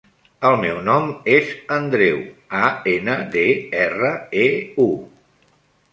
El meu nom és Andreu: a, ena, de, erra, e, u.